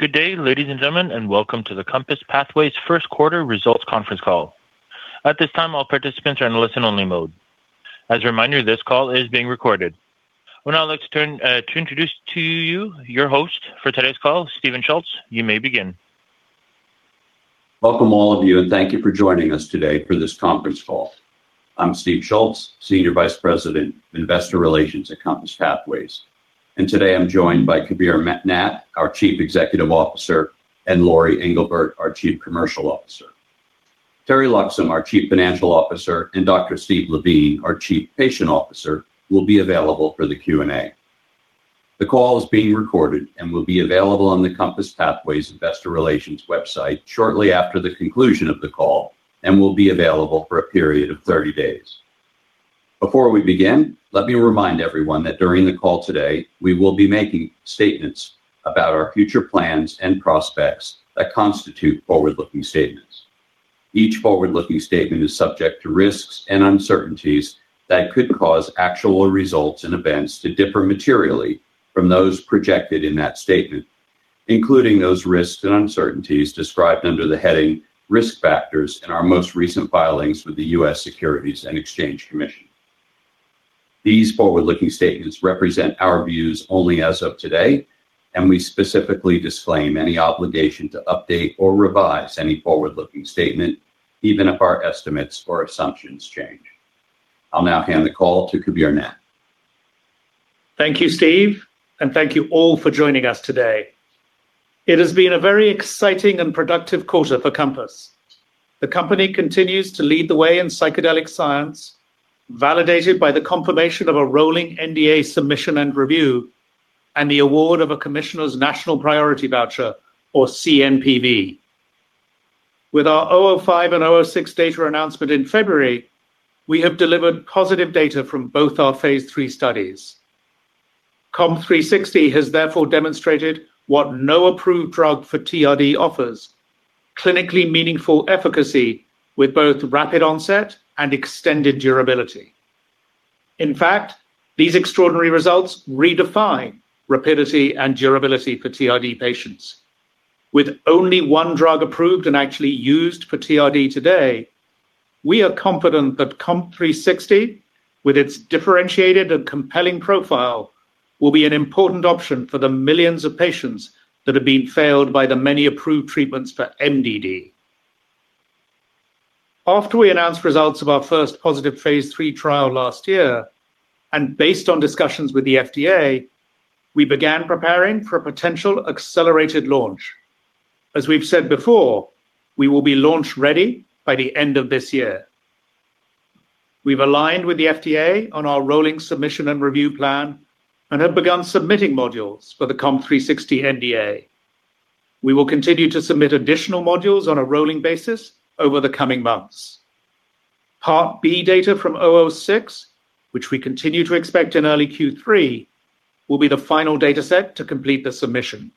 Good day, ladies and gentlemen, welcome to the COMPASS Pathways first quarter results conference call. At this time, all participants are in listen-only mode. As a reminder, this call is being recorded. I would now like to turn to introduce to you your host for today's call, Stephen Schultz. You may begin. Welcome all of you. Thank you for joining us today for this conference call. I'm Steve Schultz, Senior Vice President, Investor Relations at COMPASS Pathways. Today I'm joined by Kabir Nath, our Chief Executive Officer, and Lori Englebert, our Chief Commercial Officer. Teri Loxam, our Chief Financial Officer, and Dr. Steve Levine, our Chief Patient Officer, will be available for the Q&A. The call is being recorded and will be available on the COMPASS Pathways Investor Relations website shortly after the conclusion of the call, and will be available for a period of 30 days. Before we begin, let me remind everyone that during the call today, we will be making statements about our future plans and prospects that constitute forward-looking statements. Each forward-looking statement is subject to risks and uncertainties that could cause actual results and events to differ materially from those projected in that statement, including those risks and uncertainties described under the heading Risk Factors in our most recent filings with the U.S. Securities and Exchange Commission. These forward-looking statements represent our views only as of today, and we specifically disclaim any obligation to update or revise any forward-looking statement, even if our estimates or assumptions change. I'll now hand the call to Kabir Nath. Thank you, Steve, and thank you all for joining us today. It has been a very exciting and productive quarter for COMPASS. The company continues to lead the way in psychedelic science, validated by the confirmation of a rolling NDA submission and review, and the award of a Commissioner's National Priority Voucher, or CNPV. With our COMP005 and COMP006 data announcement in February, we have delivered positive data from both our phase III studies. COMP360 has therefore demonstrated what no approved drug for TRD offers, clinically meaningful efficacy with both rapid onset and extended durability. In fact, these extraordinary results redefine rapidity and durability for TRD patients. With only one drug approved and actually used for TRD today, we are confident that COMP360, with its differentiated and compelling profile, will be an important option for the millions of patients that have been failed by the many approved treatments for MDD. After we announced results of our first positive phase III trial last year, and based on discussions with the FDA, we began preparing for a potential accelerated launch. As we've said before, we will be launch-ready by the end of this year. We've aligned with the FDA on our rolling submission and review plan and have begun submitting modules for the COMP360 NDA. We will continue to submit additional modules on a rolling basis over the coming months. Part B data from COMP006, which we continue to expect in early Q3, will be the final data set to complete the submission.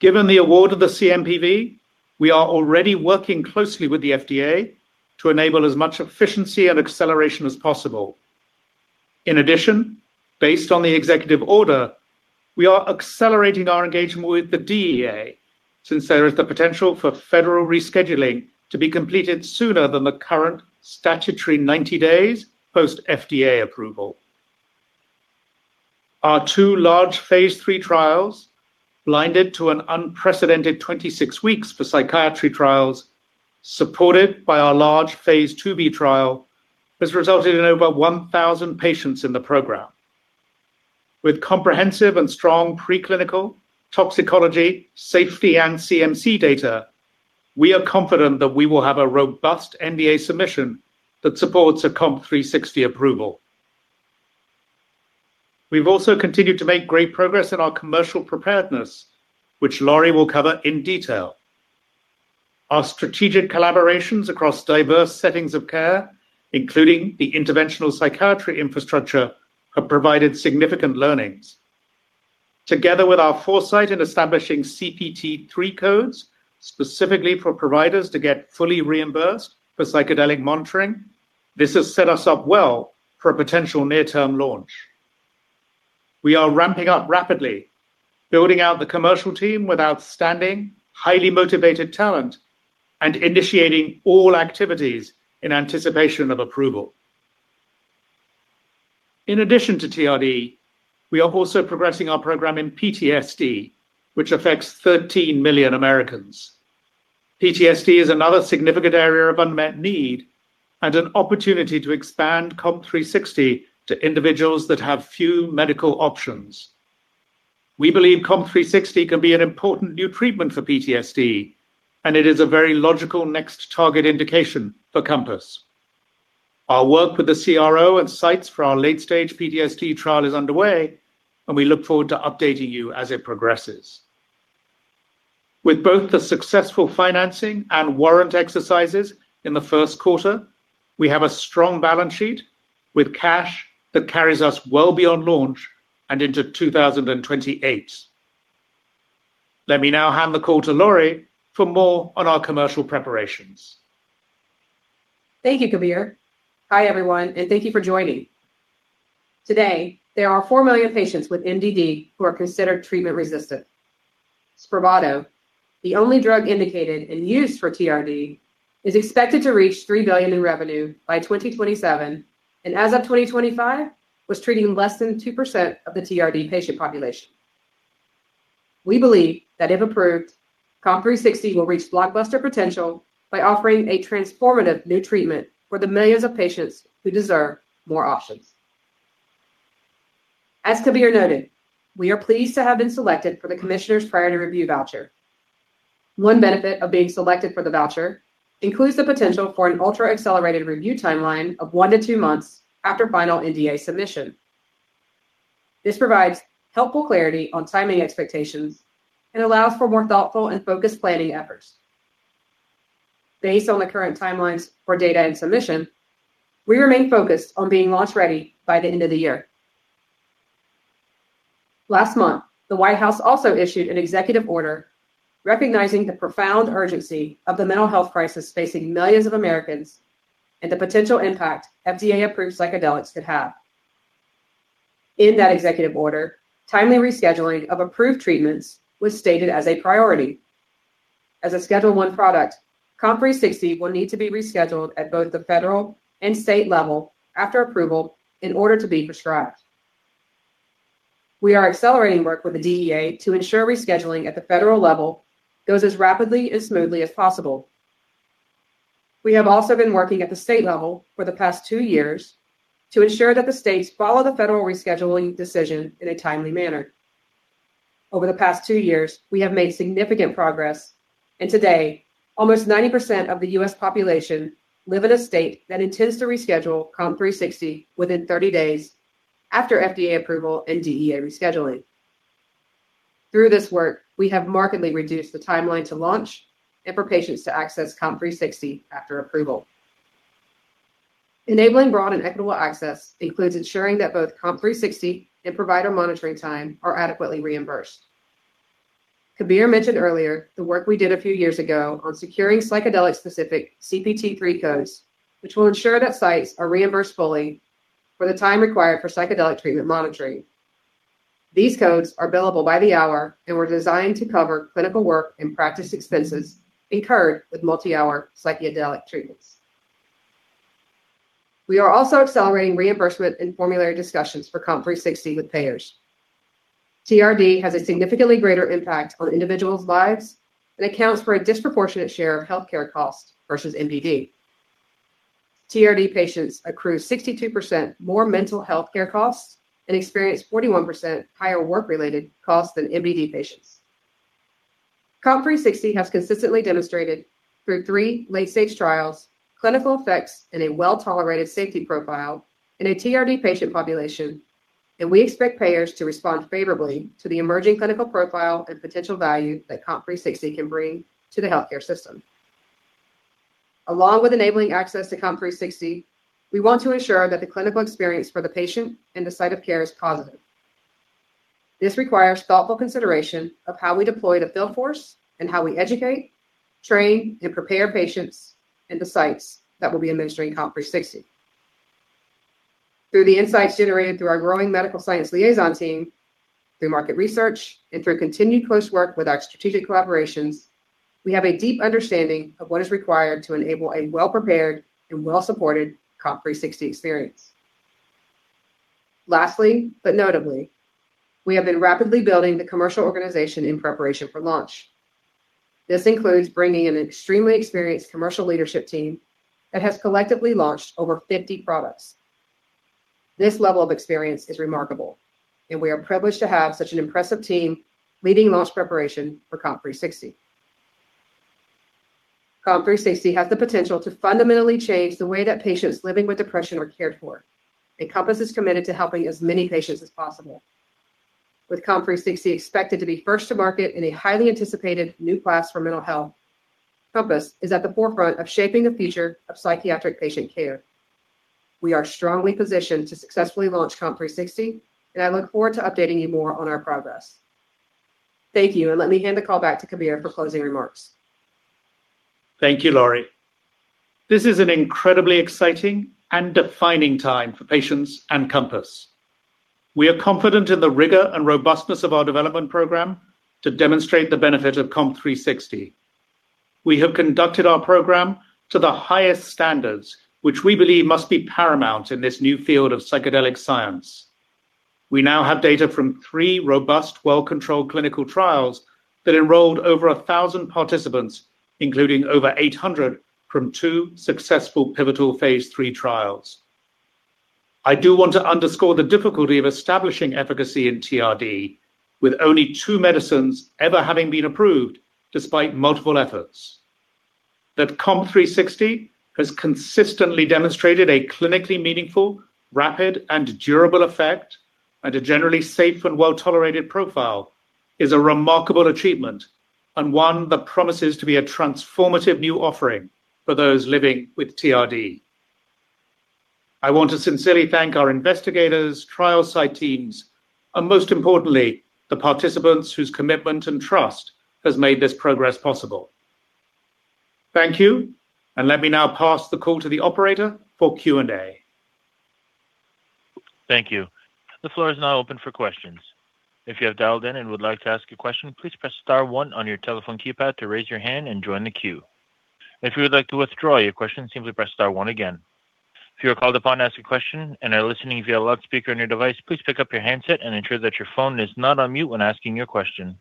Given the award of the CNPV, we are already working closely with the FDA to enable as much efficiency and acceleration as possible. In addition, based on the executive order, we are accelerating our engagement with the DEA, since there is the potential for federal rescheduling to be completed sooner than the current statutory 90 days post FDA approval. Our two large phase III trials, blinded to an unprecedented 26 weeks for psychiatry trials, supported by our large phase II-B trial, has resulted in over 1,000 patients in the program. With comprehensive and strong preclinical toxicology, safety, and CMC data, we are confident that we will have a robust NDA submission that supports a COMP360 approval. We've also continued to make great progress in our commercial preparedness, which Lori will cover in detail. Our strategic collaborations across diverse settings of care, including the interventional psychiatry infrastructure, have provided significant learnings. Together with our foresight in establishing CPT III codes, specifically for providers to get fully reimbursed for psychedelic monitoring, this has set us up well for a potential near-term launch. We are ramping up rapidly, building out the commercial team with outstanding, highly motivated talent and initiating all activities in anticipation of approval. In addition to TRD, we are also progressing our program in PTSD, which affects 13 million Americans. PTSD is another significant area of unmet need and an opportunity to expand COMP360 to individuals that have few medical options. We believe COMP360 can be an important new treatment for PTSD, and it is a very logical next target indication for COMPASS. Our work with the CRO and sites for our late-stage PTSD trial is underway. We look forward to updating you as it progresses. With both the successful financing and warrant exercises in the first quarter, we have a strong balance sheet with cash that carries us well beyond launch and into 2028. Let me now hand the call to Lori for more on our commercial preparations. Thank you, Kabir. Hi, everyone, and thank you for joining. Today, there are 4 million patients with MDD who are considered treatment-resistant. SPRAVATO, the only drug indicated and used for TRD, is expected to reach $3 billion in revenue by 2027, and as of 2025, was treating less than 2% of the TRD patient population. We believe that if approved, COMP360 will reach blockbuster potential by offering a transformative new treatment for the millions of patients who deserve more options. As Kabir noted, we are pleased to have been selected for the Commissioner's Priority Review Voucher. One benefit of being selected for the voucher includes the potential for an ultra-accelerated review timeline of one to two months after final NDA submission. This provides helpful clarity on timing expectations and allows for more thoughtful and focused planning efforts. Based on the current timelines for data and submission, we remain focused on being launch-ready by the end of the year. Last month, the White House also issued an executive order recognizing the profound urgency of the mental health crisis facing millions of Americans and the potential impact FDA-approved psychedelics could have. In that executive order, timely rescheduling of approved treatments was stated as a priority. As a Schedule I product, COMP360 will need to be rescheduled at both the federal and state level after approval in order to be prescribed. We are accelerating work with the DEA to ensure rescheduling at the federal level goes as rapidly and smoothly as possible. We have also been working at the state level for the past two years to ensure that the states follow the federal rescheduling decision in a timely manner. Over the past two years, we have made significant progress, and today, almost 90% of the U.S. population live in a state that intends to reschedule COMP360 within 30 days after FDA approval and DEA rescheduling. Through this work, we have markedly reduced the timeline to launch and for patients to access COMP360 after approval. Enabling broad and equitable access includes ensuring that both COMP360 and provider monitoring time are adequately reimbursed. Kabir mentioned earlier the work we did a few years ago on securing psychedelic-specific CPT III codes, which will ensure that sites are reimbursed fully for the time required for psychedelic treatment monitoring. These codes are billable by the hour and were designed to cover clinical work and practice expenses incurred with multi-hour psychedelic treatments. We are also accelerating reimbursement and formulary discussions for COMP360 with payers. TRD has a significantly greater impact on individuals' lives and accounts for a disproportionate share of healthcare costs versus MDD. TRD patients accrue 62% more mental health care costs and experience 41% higher work-related costs than MDD patients. COMP360 has consistently demonstrated through three late-stage trials clinical effects and a well-tolerated safety profile in a TRD patient population, and we expect payers to respond favorably to the emerging clinical profile and potential value that COMP360 can bring to the healthcare system. Along with enabling access to COMP360, we want to ensure that the clinical experience for the patient and the site of care is positive. This requires thoughtful consideration of how we deploy the field force and how we educate, train, and prepare patients and the sites that will be administering COMP360. Through the insights generated through our growing medical science liaison team, through market research, and through continued close work with our strategic collaborations, we have a deep understanding of what is required to enable a well-prepared and well-supported COMP360 experience. Lastly, but notably, we have been rapidly building the commercial organization in preparation for launch. This includes bringing an extremely experienced commercial leadership team that has collectively launched over 50 products. This level of experience is remarkable, and we are privileged to have such an impressive team leading launch preparation for COMP360. COMP360 has the potential to fundamentally change the way that patients living in depression are cared for, and COMPASS is committed to helping as many patients as possible. With COMP360 expected to be first to market in a highly anticipated new class for mental health, COMPASS is at the forefront of shaping the future of psychiatric patient care. We are strongly positioned to successfully launch COMP360. I look forward to updating you more on our progress. Thank you. Let me hand the call back to Kabir for closing remarks. Thank you, Lori. This is an incredibly exciting and defining time for patients and COMPASS Pathways. We are confident in the rigor and robustness of our development program to demonstrate the benefit of COMP360. We have conducted our program to the highest standards, which we believe must be paramount in this new field of psychedelic science. We now have data from three robust, well-controlled clinical trials that enrolled over 1,000 participants, including over 800 from two successful pivotal phase III trials. I do want to underscore the difficulty of establishing efficacy in TRD, with only two medicines ever having been approved despite multiple efforts. That COMP360 has consistently demonstrated a clinically meaningful, rapid, and durable effect and a generally safe and well-tolerated profile is a remarkable achievement and one that promises to be a transformative new offering for those living with TRD. I want to sincerely thank our investigators, trial site teams, and most importantly, the participants whose commitment and trust has made this progress possible. Thank you, and let me now pass the call to the operator for Q&A. Thank you. The floor is now open for questions. If you have dialed in and would like to ask a question, please press star one on your telephone keypad to raise your hand and join the queue. If you would like to withdraw your question, simply press star one again. If you are called upon to ask a question and are listening via loudspeaker on your device, please pick up your handset and ensure that your phone is not on mute when asking your question.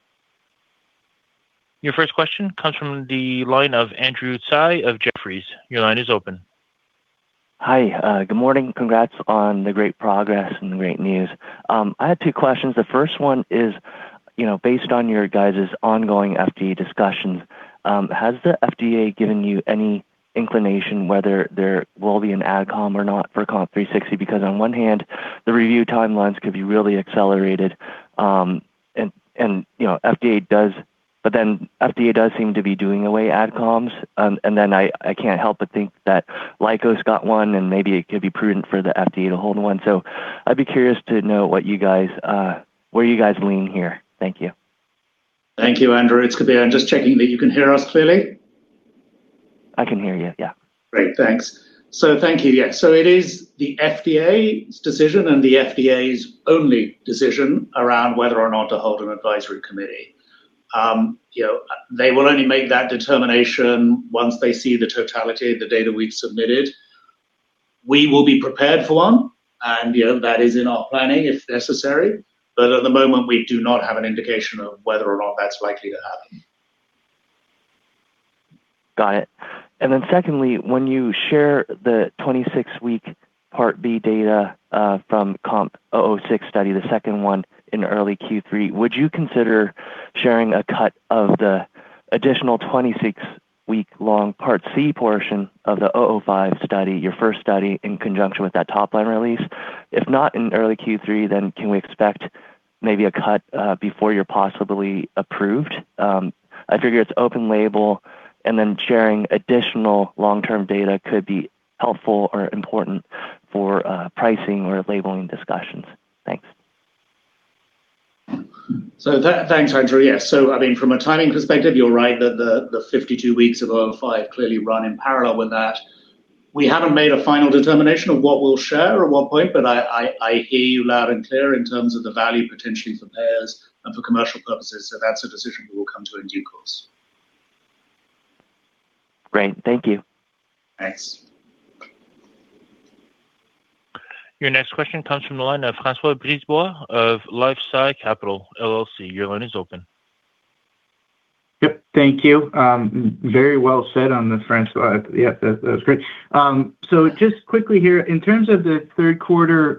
Your first question comes from the line of Andrew Tsai of Jefferies. Your line is open. Hi. Good morning. Congrats on the great progress and the great news. I had two questions. The first one is, you know, based on your guys' ongoing FDA discussions, has the FDA given you any inclination whether there will be an AdCom or not for COMP360? On one hand, the review timelines could be really accelerated, and, you know, FDA does seem to be doing away AdComs. I can't help but think that Lykos got one, and maybe it could be prudent for the FDA to hold one. I'd be curious to know what you guys, where you guys lean here. Thank you. Thank you, Andrew. It's Kabir. I'm just checking that you can hear us clearly. I can hear you, yeah. Great. Thanks. Thank you, yeah. It is the FDA's decision and the FDA's only decision around whether or not to hold an advisory committee. You know, they will only make that determination once they see the totality of the data we've submitted. We will be prepared for one, and, you know, that is in our planning if necessary. At the moment, we do not have an indication of whether or not that's likely to happen. Secondly, when you share the 26-week Part B data from COMP006 study, the second one in early Q3, would you consider sharing a cut of the additional 26-week long Part C portion of the COMP005 study, your first study, in conjunction with that top line release? If not in early Q3, can we expect maybe a cut before you're possibly approved? I figure it's open-label, sharing additional long-term data could be helpful or important for pricing or labeling discussions. Thanks. Thanks, Andrew. Yes. I mean, from a timing perspective, you're right that the 52 weeks of COMP005 clearly run in parallel with that. We haven't made a final determination of what we'll share at what point, but I, I hear you loud and clear in terms of the value potentially for payers and for commercial purposes. That's a decision we will come to in due course. Great. Thank you. Thanks. Your next question comes from the line of François Brisebois of LifeSci Capital LLC. Your line is open. Yep, thank you. Very well said on the François. Yeah, that was great. So just quickly here, in terms of the third quarter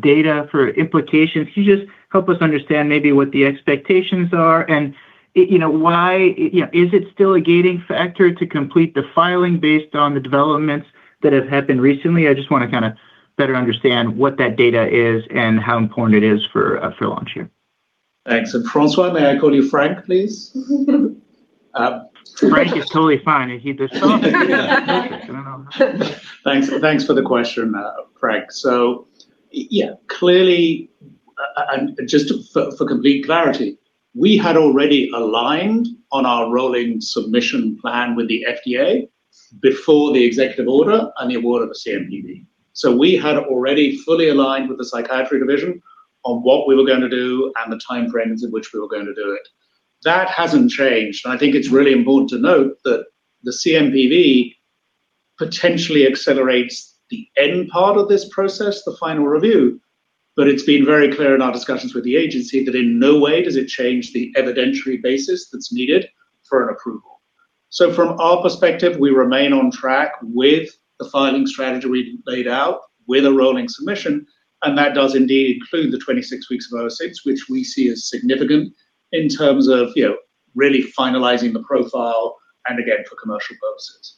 data for implications, can you just help us understand maybe what the expectations are and, you know, why, you know, is it still a gating factor to complete the filing based on the developments that have happened recently? I just wanna kinda better understand what that data is and how important it is for for launch here. Thanks. François, may I call you Frank, please? Frank is totally fine. Thanks. Thanks for the question, Frank. Yeah, clearly, and just for complete clarity, we had already aligned on our rolling submission plan with the FDA before the executive order and the award of the CNPV. We had already fully aligned with the psychiatry division on what we were gonna do and the timeframes in which we were gonna do it. That hasn't changed, and I think it's really important to note that the CNPV potentially accelerates the end part of this process, the final review, but it's been very clear in our discussions with the agency that in no way does it change the evidentiary basis that's needed for an approval. From our perspective, we remain on track with the filing strategy we laid out with a rolling submission, and that does indeed include the 26 weeks of COMP006, which we see as significant in terms of, you know, really finalizing the profile and again for commercial purposes.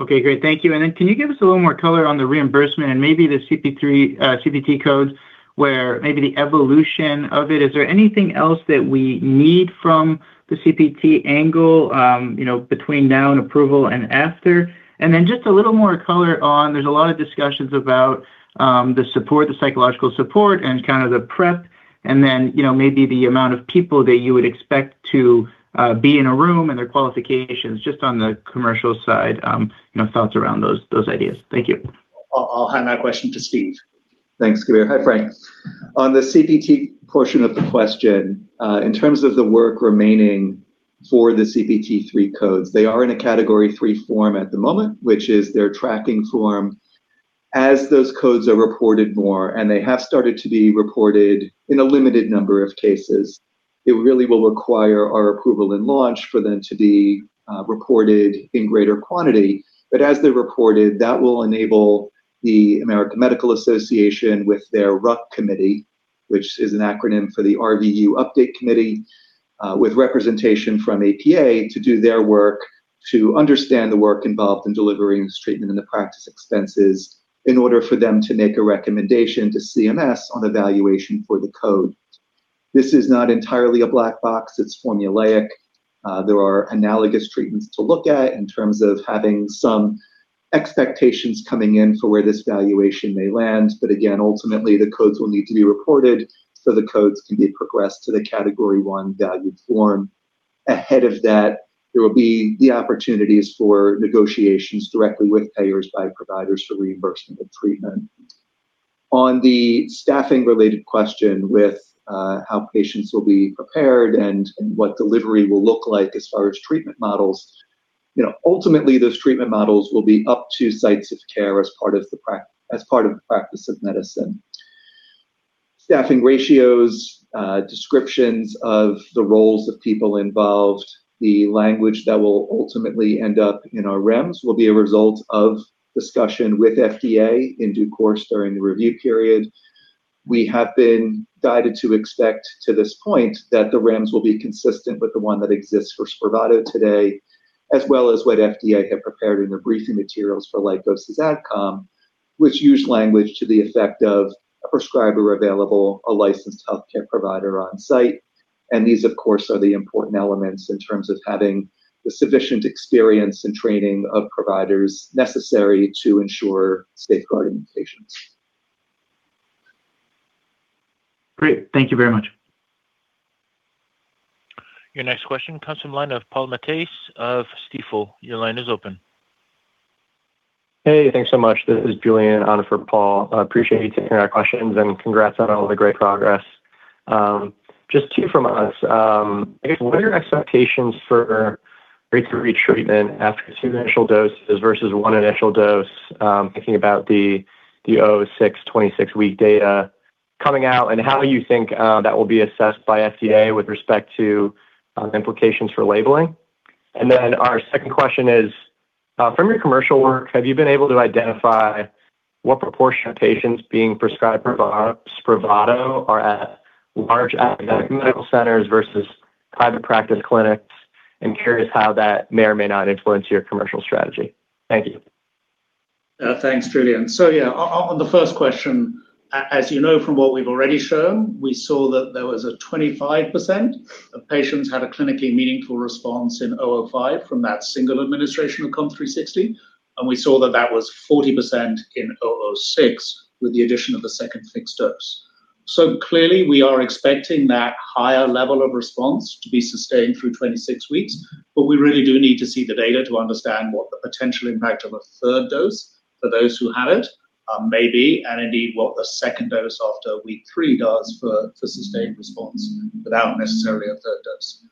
Okay, great. Thank you. Can you give us a little more color on the reimbursement and maybe the CPT III codes where maybe the evolution of it. Is there anything else that we need from the CPT angle, you know, between now and approval and after? Just a little more color on there's a lot of discussions about the support, the psychological support, and kind of the prep, and then, you know, maybe the amount of people that you would expect to be in a room and their qualifications, just on the commercial side, you know, thoughts around those ideas. Thank you. I'll hand that question to Steve. Thanks, Kabir. Hi, Frank. On the CPT portion of the question, in terms of the work remaining for the CPT III codes, they are in a Category III form at the moment, which is their tracking form. As those codes are reported more, and they have started to be reported in a limited number of cases, it really will require our approval and launch for them to be reported in greater quantity. As they're reported, that will enable the American Medical Association with their RUC Committee, which is an acronym for the RVS Update Committee, with representation from APA to do their work to understand the work involved in delivering this treatment and the practice expenses in order for them to make a recommendation to CMS on the valuation for the code. This is not entirely a black box. It's formulaic. There are analogous treatments to look at in terms of having some expectations coming in for where this valuation may land. Again, ultimately, the codes will need to be reported so the codes can be progressed to the Category I valued form. Ahead of that, there will be the opportunities for negotiations directly with payers by providers for reimbursement of treatment. The staffing related question with how patients will be prepared and what delivery will look like as far as treatment models, you know, ultimately, those treatment models will be up to sites of care as part of the practice of medicine. Staffing ratios, descriptions of the roles of people involved, the language that will ultimately end up in our REMS will be a result of discussion with FDA in due course during the review period. We have been guided to expect to this point that the REMS will be consistent with the one that exists for SPRAVATO today, as well as what FDA have prepared in their briefing materials for Lykos's AdCom, which use language to the effect of a prescriber available, a licensed healthcare provider on site. These, of course, are the important elements in terms of having the sufficient experience and training of providers necessary to ensure safeguarding patients. Great. Thank you very much. Your next question comes from line of Paul Matteis of Stifel. Your line is open. Hey, thanks so much. This is Julian on for Paul. Appreciate you taking our questions, and congrats on all the great progress. Just two from us. I guess what are your expectations for re-retreatment after two initial doses versus one initial dose? Thinking about the 06 26-week data coming out, and how you think that will be assessed by FDA with respect to implications for labeling. Our second question is, from your commercial work, have you been able to identify what proportion of patients being prescribed SPRAVATO are at large academic medical centers versus private practice clinics? I'm curious how that may or may not influence your commercial strategy. Thank you. Thanks, Julian. Yeah, on the 1st question, as you know from what we've already shown, we saw that there was a 25% of patients had a clinically meaningful response in COMP005 from that single administration of COMP360. We saw that that was 40% in COMP006 with the addition of the second fixed dose. Clearly, we are expecting that higher level of response to be sustained through 26 weeks, but we really do need to see the data to understand what the potential impact of a third dose for those who had it may be, and indeed, what the second dose after Week 3 does for sustained response without necessarily a third dose.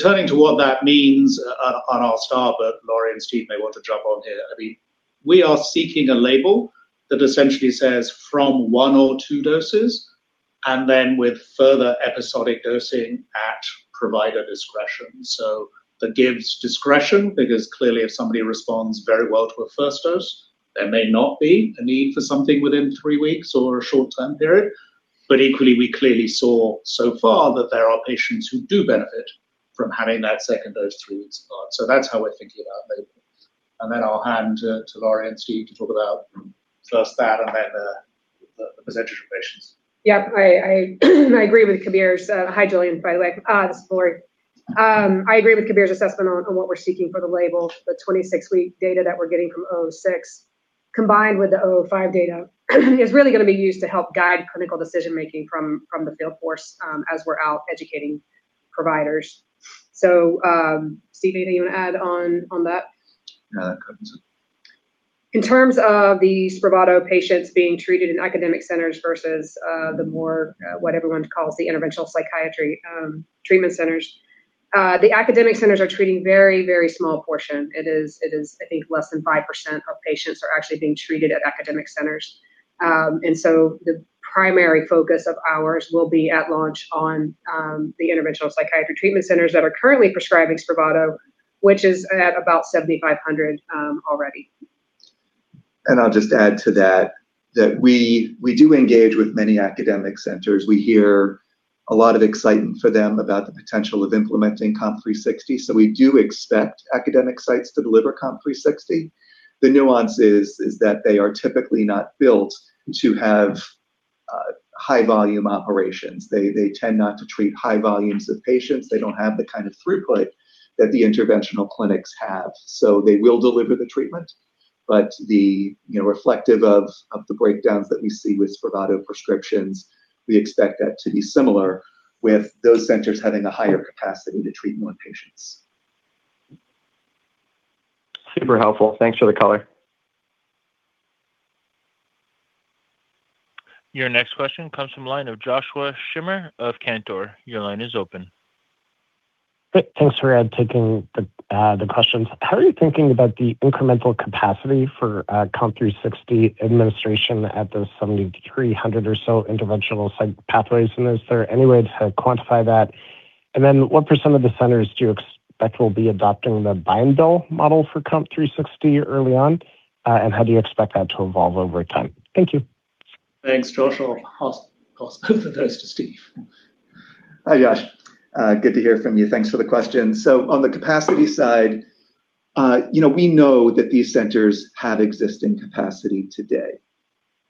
Turning to what that means, I'll start, but Lori and Steve may want to jump on here. We are seeking a label that essentially says from one or two doses, and then with further episodic dosing at provider discretion. That gives discretion because clearly if somebody responds very well to a first dose, there may not be a need for something within three weeks or a short-term period. Equally, we clearly saw so far that there are patients who do benefit from having that second dose three weeks apart. That's how we're thinking about labeling. I'll hand to Lori and Steve to talk about first that and then the percentage of patients. Yeah, I agree with Kabir's. Hi, Julian, by the way. This is Lori. I agree with Kabir's assessment on what we're seeking for the label. The 26-week data that we're getting from COMP006 combined with the COMP005 data is really gonna be used to help guide clinical decision-making from the field force, as we're out educating providers. Steve, anything you wanna add on that? No, that covers it. In terms of the SPRAVATO patients being treated in academic centers versus the more what everyone calls the interventional psychiatry treatment centers, the academic centers are treating very, very small portion. It is I think less than 5% of patients are actually being treated at academic centers. So the primary focus of ours will be at launch on the interventional psychiatry treatment centers that are currently prescribing SPRAVATO, which is at about 7,500 already. I'll just add to that we do engage with many academic centers. We hear a lot of excitement for them about the potential of implementing COMP360, so we do expect academic sites to deliver COMP360. The nuance is that they are typically not built to have high volume operations. They tend not to treat high volumes of patients. They don't have the kind of throughput that the interventional clinics have. They will deliver the treatment, but the, you know, reflective of the breakdowns that we see with SPRAVATO prescriptions, we expect that to be similar with those centers having a higher capacity to treat more patients. Super helpful. Thanks for the color. Your next question comes from line of Josh Schimmer of Cantor. Your line is open. Hey, thanks for taking the questions. How are you thinking about the incremental capacity for COMP360 administration at those 7,300 or so interventional psych practices? Is there any way to quantify that? Then what % of the centers do you expect will be adopting the buy-and-bill model for COMP360 early on? How do you expect that to evolve over time? Thank you. Thanks, Joshua. I'll pass those to Steve. Hi, Josh. Good to hear from you. Thanks for the question. On the capacity side, you know, we know that these centers have existing capacity today,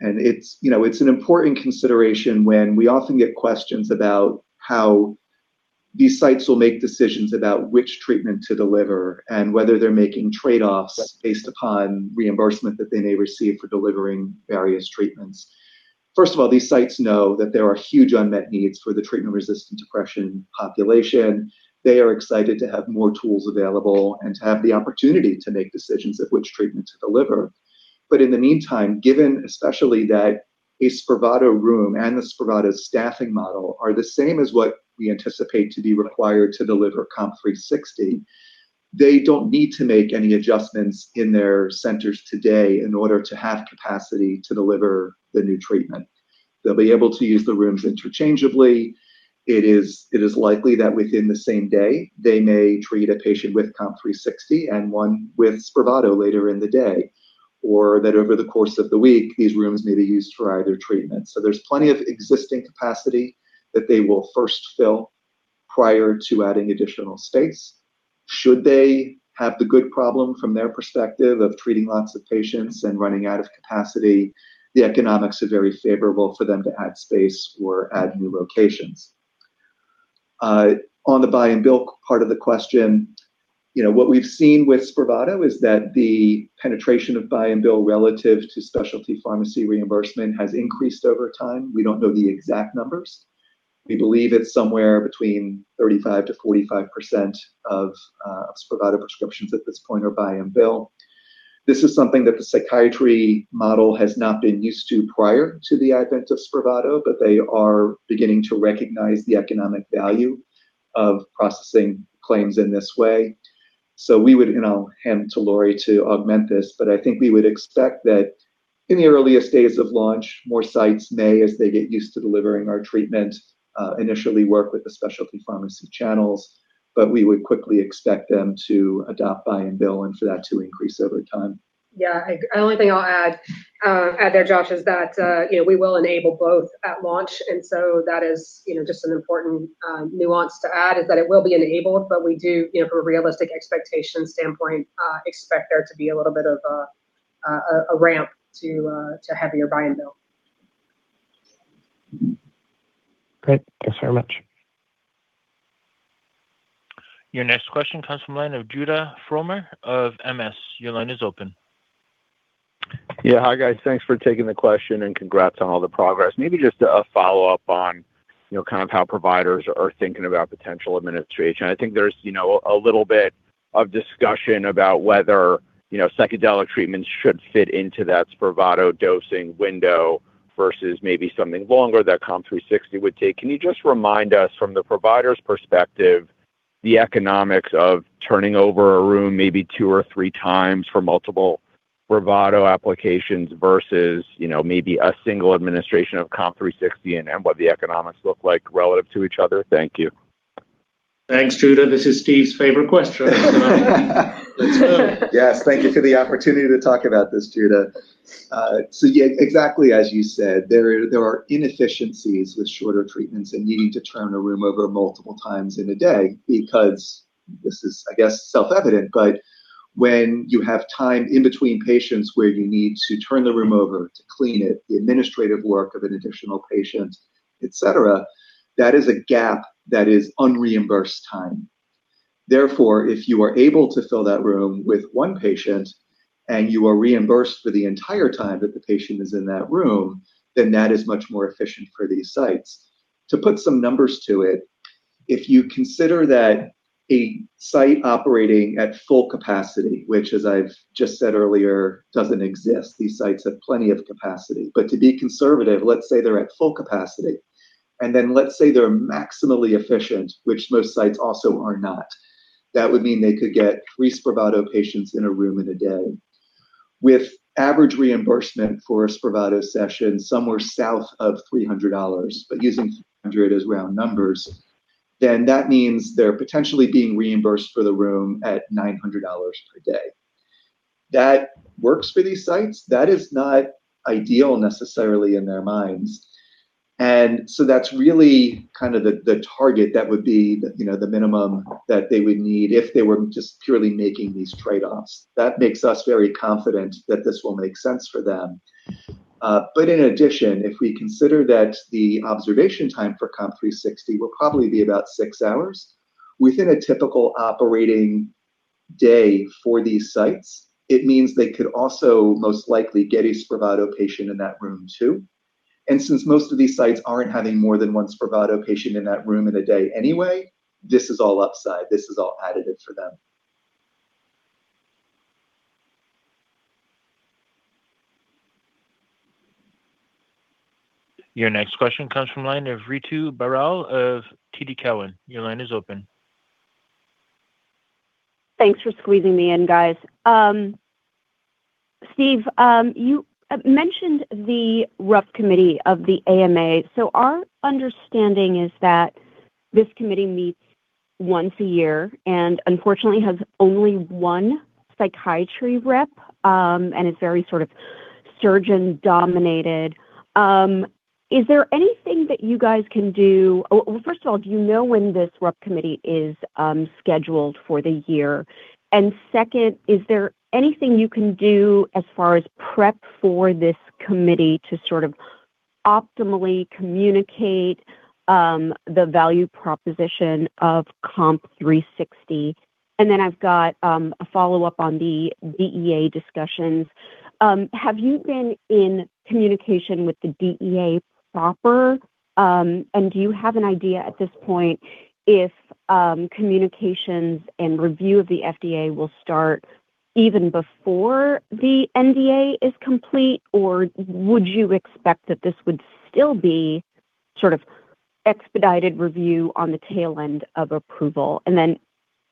and it's, you know, it's an important consideration when we often get questions about how these sites will make decisions about which treatment to deliver and whether they're making trade-offs based upon reimbursement that they may receive for delivering various treatments. First of all, these sites know that there are huge unmet needs for the treatment-resistant depression population. They are excited to have more tools available and to have the opportunity to make decisions of which treatment to deliver. In the meantime, given especially that a SPRAVATO room and the SPRAVATO staffing model are the same as what we anticipate to be required to deliver COMP360, they don't need to make any adjustments in their centers today in order to have capacity to deliver the new treatment. They'll be able to use the rooms interchangeably. It is likely that within the same day, they may treat a patient with COMP360 and one with SPRAVATO later in the day, or that over the course of the week, these rooms may be used for either treatment. There's plenty of existing capacity that they will first fill prior to adding additional space. Should they have the good problem from their perspective of treating lots of patients and running out of capacity, the economics are very favorable for them to add space or add new locations. On the buy and bill part of the question, you know, what we've seen with SPRAVATO is that the penetration of buy and bill relative to specialty pharmacy reimbursement has increased over time. We don't know the exact numbers. We believe it's somewhere between 35%-45% of SPRAVATO prescriptions at this point are buy and bill. This is something that the psychiatry model has not been used to prior to the advent of SPRAVATO, but they are beginning to recognize the economic value of processing claims in this way. We would, you know, hand to Lori to augment this, but I think we would expect that in the earliest days of launch, more sites may, as they get used to delivering our treatment, initially work with the specialty pharmacy channels, but we would quickly expect them to adopt buy and bill and for that to increase over time. Yeah. Only thing I'll add there, Josh, is that, you know, we will enable both at launch. That is, you know, just an important nuance to add is that it will be enabled, but we do, you know, from a realistic expectation standpoint, expect there to be a little bit of a ramp to heavier buy and bill. Great. Thanks very much. Your next question comes from line of Judah Frommer of MS. Your line is open. Hi, guys. Thanks for taking the question, and congrats on all the progress. Maybe just a follow-up on, you know, kind of how providers are thinking about potential administration. I think there's, you know, a little bit of discussion about whether, you know, psychedelic treatments should fit into that SPRAVATO dosing window versus maybe something longer that COMP360 would take. Can you just remind us from the provider's perspective, the economics of turning over a room maybe two or three times for multiple SPRAVATO applications versus, you know, maybe a single administration of COMP360, and then what the economics look like relative to each other? Thank you. Thanks, Judah. This is Steve's favorite question. Let's go. Yes. Thank you for the opportunity to talk about this, Judah. Yeah, exactly as you said, there are inefficiencies with shorter treatments and needing to turn a room over multiple times in a day because this is, I guess, self-evident. When you have time in between patients where you need to turn the room over to clean it, the administrative work of an additional patient, et cetera, that is a gap that is unreimbursed time. Therefore, if you are able to fill that room with one patient and you are reimbursed for the entire time that the patient is in that room, then that is much more efficient for these sites. To put some numbers to it, if you consider that a site operating at full capacity, which as I've just said earlier, doesn't exist, these sites have plenty of capacity. To be conservative, let's say they're at full capacity, and then let's say they're maximally efficient, which most sites also are not. That would mean they could get three SPRAVATO patients in a room in a day. With average reimbursement for a SPRAVATO session somewhere south of $300, but using $300 as round numbers, that means they're potentially being reimbursed for the room at $900 per day. That works for these sites. That is not ideal necessarily in their minds. That's really kind of the target. That would be the, you know, the minimum that they would need if they were just purely making these trade-offs. That makes us very confident that this will make sense for them. In addition, if we consider that the observation time for COMP360 will probably be about six hours, within a typical operating day for these sites, it means they could also most likely get a SPRAVATO patient in that room too. Since most of these sites aren't having more than one SPRAVATO patient in that room in a day anyway, this is all upside. This is all additive for them. Your next question comes from line of Ritu Baral of TD Cowen. Your line is open. Thanks for squeezing me in, guys. Steve, you mentioned the RUC Committee of the AMA. Our understanding is that this committee meets once a year and unfortunately has only one psychiatry rep, and it's very sort of surgeon dominated. Is there anything that you guys can do, first of all, do you know when this RUC Committee is scheduled for the year? Second, is there anything you can do as far as prep for this committee to sort of optimally communicate the value proposition of COMP360? I've got a follow-up on the DEA discussions. Have you been in communication with the DEA proper? Do you have an idea at this point if communications and review of the FDA will start even before the NDA is complete, or would you expect that this would still be sort of expedited review on the tail end of approval? Then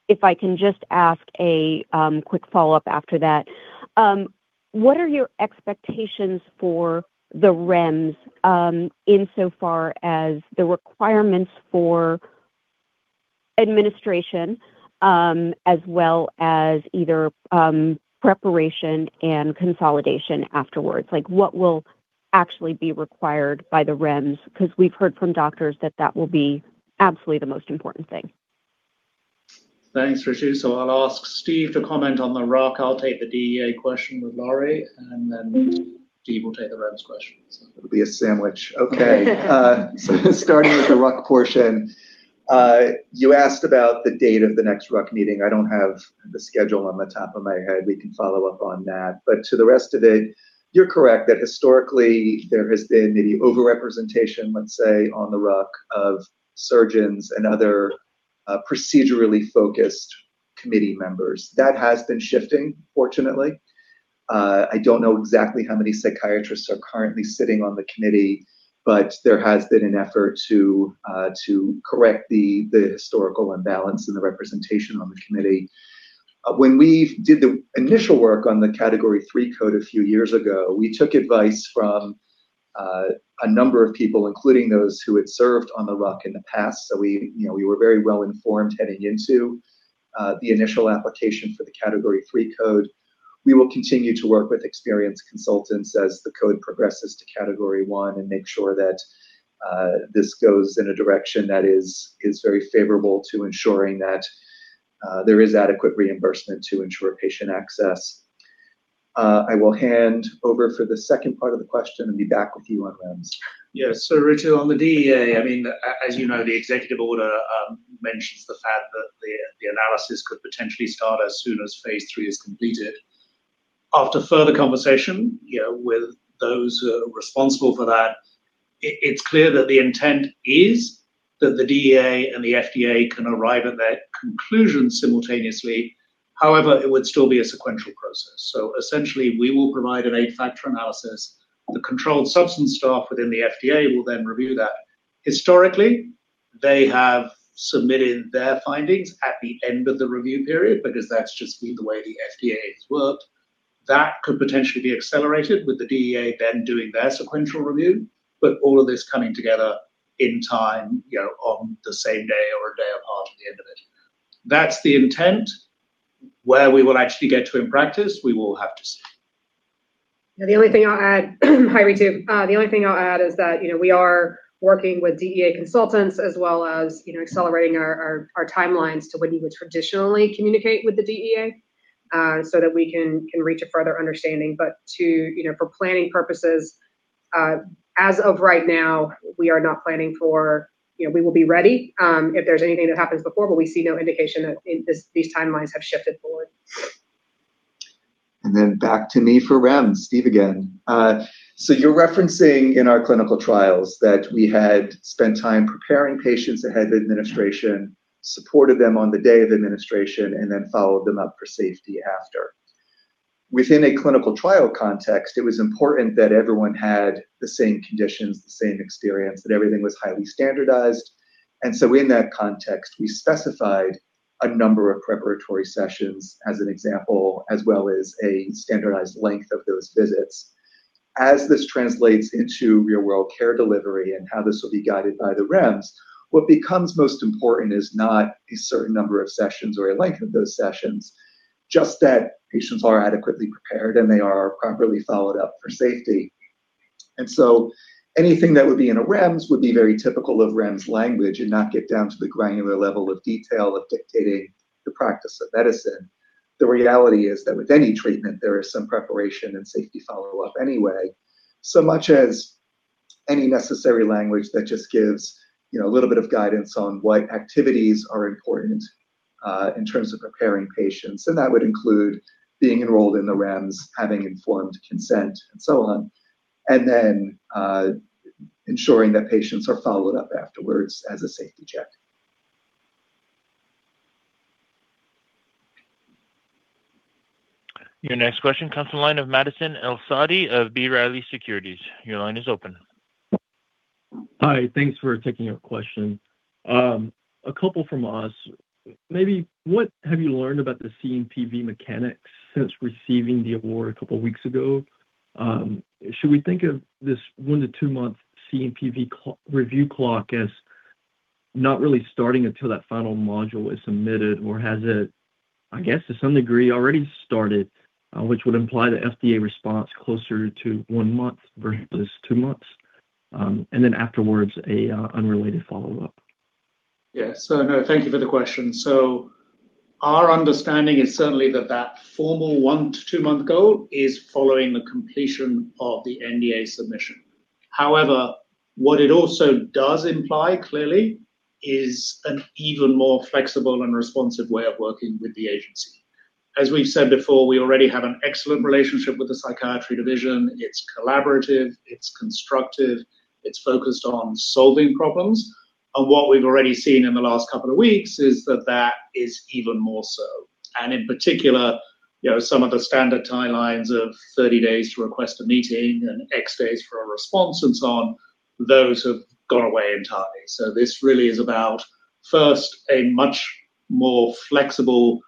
if I can just ask a quick follow-up after that. What are your expectations for the REMS insofar as the requirements for administration, as well as either preparation and consolidation afterwards? Like, what will actually be required by the REMS? 'Cause we've heard from doctors that that will be absolutely the most important thing. Thanks, Ritu. I'll ask Steve to comment on the RUC. I'll take the DEA question with Lori, and then Steve will take the REMS question. It'll be a sandwich. Starting with the RUC portion. You asked about the date of the next RUC meeting. I don't have the schedule off the top of my head. We can follow up on that. To the rest of it, you're correct that historically there has been the overrepresentation, let's say, on the RUC of surgeons and other procedurally focused committee members. That has been shifting, fortunately. I don't know exactly how many psychiatrists are currently sitting on the committee, but there has been an effort to correct the historical imbalance in the representation on the committee. When we did the initial work on the Category III code a few years ago, we took advice from a number of people, including those who had served on the RUC in the past. We, you know, we were very well informed heading into the initial application for the Category III code. We will continue to work with experienced consultants as the code progresses to Category I and make sure that this goes in a direction that is very favorable to ensuring that there is adequate reimbursement to ensure patient access. I will hand over for the second part of the question and be back with you on REMS. Yeah. Ritu, on the DEA, I mean, as you know, the executive order mentions the fact that the analysis could potentially start as soon as phase III is completed. After further conversation, you know, with those who are responsible for that, it's clear that the intent is that the DEA and the FDA can arrive at their conclusion simultaneously. It would still be a sequential process. Essentially, we will provide an Eight-Factor Analysis. The controlled substance staff within the FDA will review that. Historically, they have submitted their findings at the end of the review period because that's just been the way the FDA has worked. That could potentially be accelerated with the DEA then doing their sequential review. All of this coming together in time, you know, on the same day or a day apart at the end of it. That's the intent. Where we will actually get to in practice, we will have to see. The only thing I'll add, hi, Ritu. The only thing I'll add is that, you know, we are working with DEA consultants as well as, you know, accelerating our timelines to when you would traditionally communicate with the DEA so that we can reach a further understanding. To, you know, for planning purposes, as of right now, we are not. You know, we will be ready if there's anything that happens before, but we see no indication that these timelines have shifted forward. Back to me for REMS. Steve Levine again. You're referencing in our clinical trials that we had spent time preparing patients ahead of administration, supported them on the day of administration, and then followed them up for safety after. Within a clinical trial context, it was important that everyone had the same conditions, the same experience, that everything was highly standardized. In that context, we specified a number of preparatory sessions, as an example, as well as a standardized length of those visits. As this translates into real-world care delivery and how this will be guided by the REMS, what becomes most important is not a certain number of sessions or a length of those sessions, just that patients are adequately prepared and they are properly followed up for safety. Anything that would be in a REMS would be very typical of REMS language and not get down to the granular level of detail of dictating the practice of medicine. The reality is that with any treatment, there is some preparation and safety follow-up anyway. Much as any necessary language that just gives, you know, a little bit of guidance on what activities are important in terms of preparing patients, and that would include being enrolled in the REMS, having informed consent and so on. Then ensuring that patients are followed up afterwards as a safety check. Your next question comes from the line of Madison El-Saadi of B. Riley Securities. Your line is open. Hi. Thanks for taking our question. A couple from us. Maybe what have you learned about the CNPV mechanics since receiving the award a couple weeks ago? Should we think of this one to two-month CNPV review clock as Not really starting until that final module is submitted, or has it, I guess, to some degree already started, which would imply the FDA response closer to one month versus two months? Then afterwards, a, unrelated follow-up. Yeah. No, thank you for the question. Our understanding is certainly that that formal one to two-month goal is following the completion of the NDA submission. However, what it also does imply clearly is an even more flexible and responsive way of working with the agency. As we've said before, we already have an excellent relationship with the psychiatry division. It's collaborative, it's constructive, it's focused on solving problems. What we've already seen in the last couple of weeks is that that is even more so. In particular, you know, some of the standard timelines of 30 days to request a meeting and X days for a response and so on, those have gone away entirely. This really is about, first, a much more flexible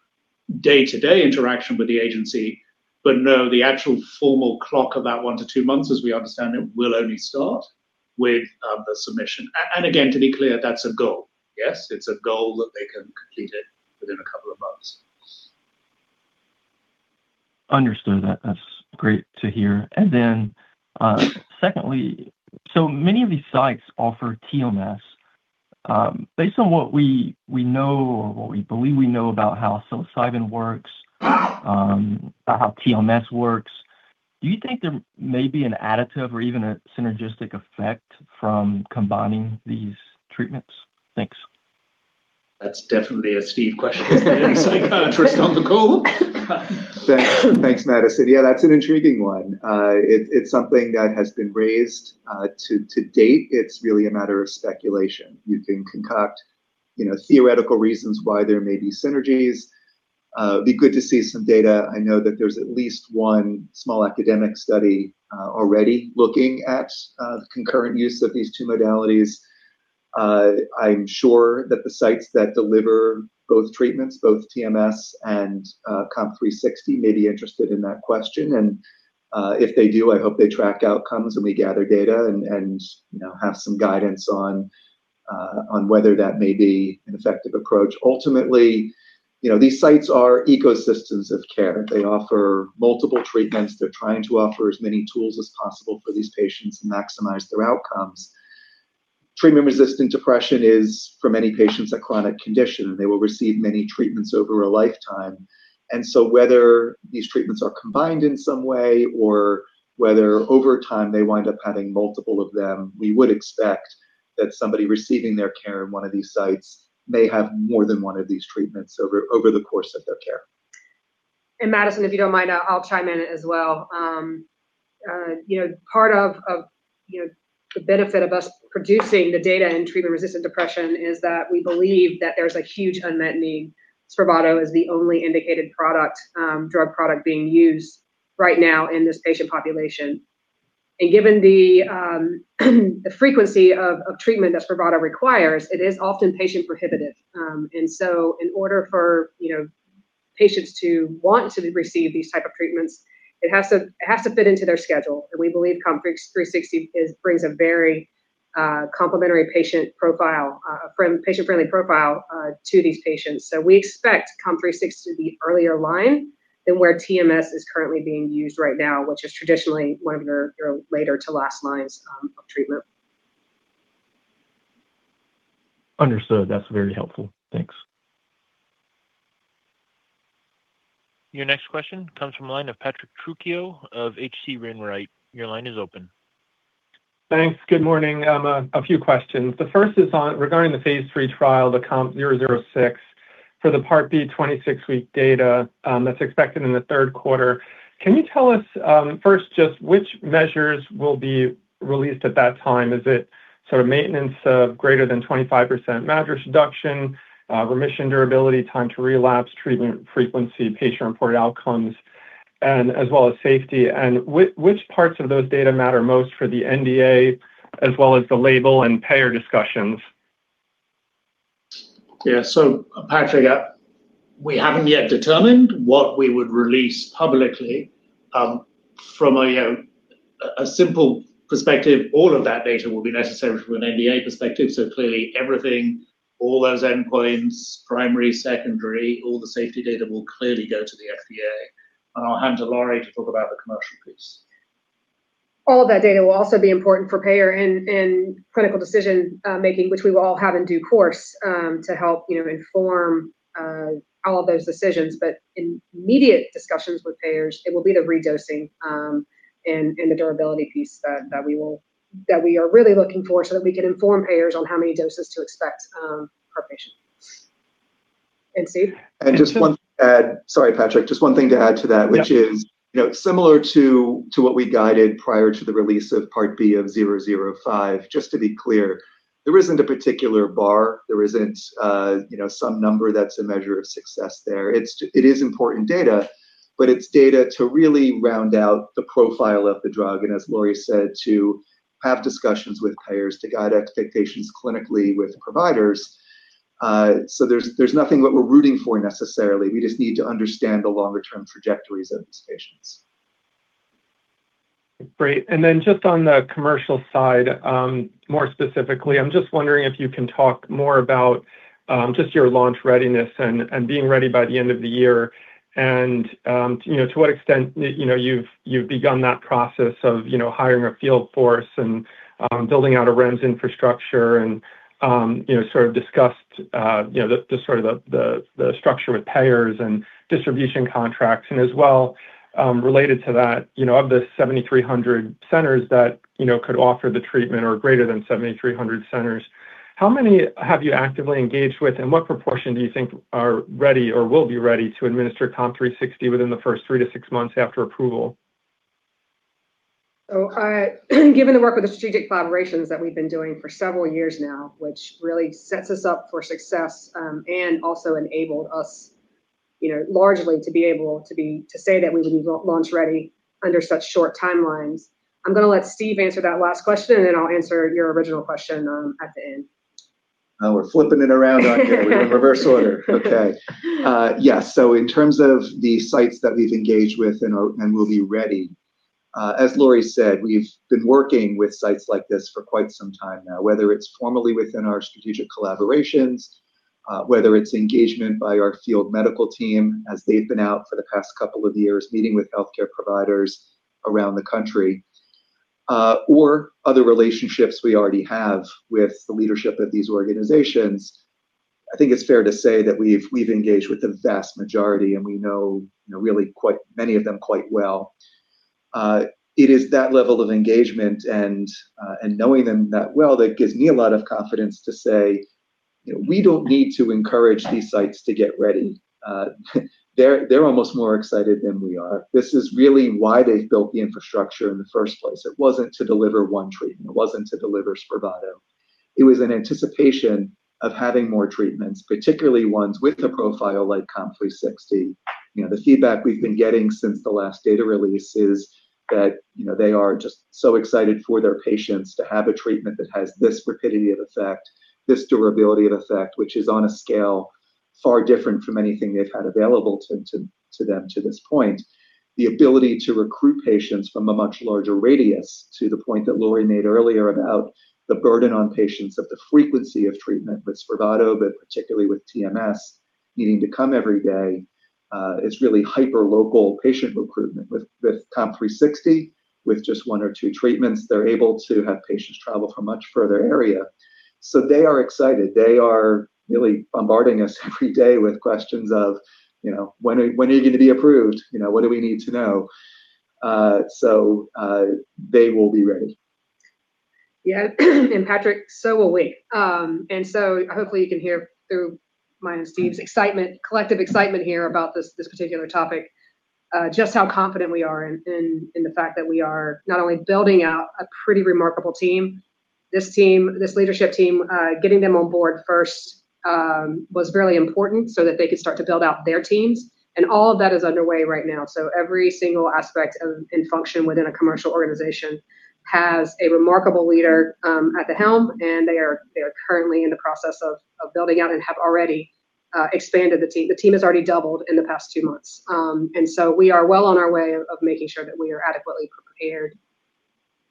day-to-day interaction with the agency. No, the actual formal clock of that one to two months, as we understand it, will only start with the submission. Again, to be clear, that's a goal. Yes, it's a goal that they can complete it within a couple of months. Understood. That's great to hear. Secondly, many of these sites offer TMS. Based on what we know or what we believe we know about how psilocybin works, about how TMS works, do you think there may be an additive or even a synergistic effect from combining these treatments? Thanks. That's definitely a Steve question. Any psychiatrist on the call? Thanks. Thanks, Madison. Yeah, that's an intriguing one. It's something that has been raised. To date, it's really a matter of speculation. You can concoct, you know, theoretical reasons why there may be synergies. It'd be good to see some data. I know that there's at least one small academic study already looking at the concurrent use of these two modalities. I'm sure that the sites that deliver both treatments, both TMS and COMP360, may be interested in that question. If they do, I hope they track outcomes, and we gather data and, you know, have some guidance on whether that may be an effective approach. Ultimately, you know, these sites are ecosystems of care. They offer multiple treatments. They're trying to offer as many tools as possible for these patients to maximize their outcomes. Treatment-resistant depression is, for many patients, a chronic condition, and they will receive many treatments over a lifetime. Whether these treatments are combined in some way or whether over time they wind up having multiple of them, we would expect that somebody receiving their care in one of these sites may have more than one of these treatments over the course of their care. Madison, if you don't mind, I'll chime in as well. You know, part of, you know, the benefit of us producing the data in treatment-resistant depression is that we believe that there's a huge unmet need. SPRAVATO is the only indicated product, drug product being used right now in this patient population. Given the frequency of treatment that SPRAVATO requires, it is often patient prohibitive. In order for, you know, patients to want to receive these type of treatments, it has to fit into their schedule. We believe COMP360 brings a very complimentary patient profile, patient-friendly profile, to these patients. We expect COMP360 to be earlier line than where TMS is currently being used right now, which is traditionally one of your later to last lines of treatment. Understood. That's very helpful. Thanks. Your next question comes from the line of Patrick Trucchio of H.C. Wainwright. Your line is open. Thanks. Good morning. A few questions. The first is regarding the phase III trial, the COMP006. For the Part B 26-week data, that's expected in the third quarter, can you tell us, first just which measures will be released at that time? Is it sort of maintenance of greater than 25% MADRS reduction, remission durability, time to relapse, treatment frequency, patient-reported outcomes, and as well as safety? Which parts of those data matter most for the NDA as well as the label and payer discussions? Yeah. Patrick, we haven't yet determined what we would release publicly. From a simple perspective, all of that data will be necessary from an NDA perspective. Clearly everything, all those endpoints, primary, secondary, all the safety data will clearly go to the FDA. I'll hand to Lori to talk about the commercial piece. All that data will also be important for payer and clinical decision making, which we will all have in due course, to help, you know, inform all of those decisions. Immediate discussions with payers, it will be the redosing and the durability piece that we are really looking for so that we can inform payers on how many doses to expect per patient. Steve? Sorry, Patrick, just one thing to add to that. Yeah which is, you know, similar to what we guided prior to the release of Part B of COMP005, just to be clear, there isn't a particular bar. There isn't, you know, some number that's a measure of success there. It is important data, but it's data to really round out the profile of the drug, and as Lori said, to have discussions with payers to guide expectations clinically with providers. There's nothing that we're rooting for necessarily. We just need to understand the longer-term trajectories of these patients. Great. Just on the commercial side, more specifically, I'm just wondering if you can talk more about just your launch readiness and being ready by the end of the year. To what extent, you know, you've begun that process of, you know, hiring a field force and building out a REMS infrastructure and, you know, sort of discussed, the sort of the structure with payers and distribution contracts. Related to that, you know, of the 7,300 centers that, you know, could offer the treatment or greater than 7,300 centers, how many have you actively engaged with? What proportion do you think are ready or will be ready to administer COMP360 within the first 3-6 months after approval? Given the work with the strategic collaborations that we've been doing for several years now, which really sets us up for success, and also enabled us, you know, largely to be able to say that we can be launch-ready under such short timelines. I'm gonna let Steve answer that last question, and then I'll answer your original question at the end. Oh, we're flipping it around on you. We're going in reverse order. Okay. Yes. In terms of the sites that we've engaged with and will be ready, as Lori said, we've been working with sites like this for quite some time now, whether it's formally within our strategic collaborations, whether it's engagement by our field medical team as they've been out for the past couple of years meeting with healthcare providers around the country, or other relationships we already have with the leadership of these organizations. I think it's fair to say that we've engaged with the vast majority, and we know, you know, really quite many of them quite well. It is that level of engagement and knowing them that well that gives me a lot of confidence to say, we don't need to encourage these sites to get ready. They're almost more excited than we are. This is really why they've built the infrastructure in the first place. It wasn't to deliver one treatment. It wasn't to deliver SPRAVATO. It was in anticipation of having more treatments, particularly ones with the profile like COMP360. The feedback we've been getting since the last data release is that they are just so excited for their patients to have a treatment that has this rapidity of effect, this durability of effect, which is on a scale far different from anything they've had available to them to this point. The ability to recruit patients from a much larger radius, to the point that Lori made earlier about the burden on patients of the frequency of treatment with SPRAVATO, but particularly with TMS needing to come every day, is really hyper-local patient recruitment. With COMP360, with just one or two treatments, they're able to have patients travel from much further area. They are excited. They are really bombarding us every day with questions of, you know, "When are you gonna be approved?" You know, "What do we need to know?" They will be ready. Yeah, Patrick, will we. Hopefully you can hear through mine and Steve's excitement, collective excitement here about this particular topic, just how confident we are in the fact that we are not only building out a pretty remarkable team. This team, this leadership team, getting them on board first, was really important so that they could start to build out their teams. All of that is underway right now. Every single aspect of and function within a commercial organization has a remarkable leader at the helm, and they are currently in the process of building out and have already expanded the team. The team has already doubled in the past two months. We are well on our way of making sure that we are adequately prepared.